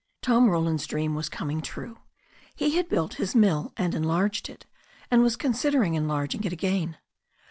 Tom Roland's dream was coming true. He had built his mill and enlarged it, and was considering enlarging it again.